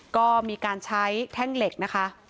ก็มีการใช้แท่งเหล็กนะคะ